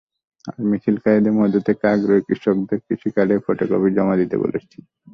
মিছিলকারীদের মধ্য থেকে আগ্রহী কৃষকদের কৃষি কার্ডের ফটোকপি জমা দিতে বলেছি।